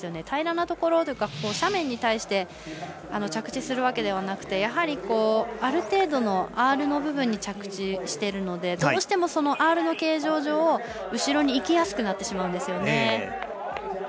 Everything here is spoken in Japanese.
平らなところというか斜面に対して着地するわけではなくてやはりある程度のアールの部分に着地しているのでどうしても、アールの形状上後ろにいきやすくなってしまうんですよね。